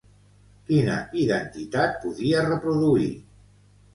Quina identitat podia reproduir?